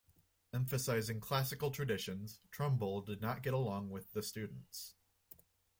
Emphasizing classical traditions, Trumbull did not get along with the students.